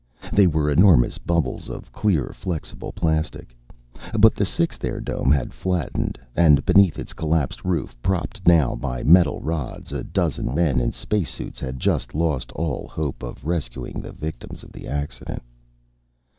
They were enormous bubbles of clear, flexible plastic. But the sixth airdome had flattened. And beneath its collapsed roof, propped now by metal rods, a dozen men in spacesuits had just lost all hope of rescuing the victims of the accident.